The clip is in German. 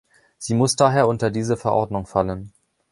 Sie muss daher unter diese Verordnung fallen.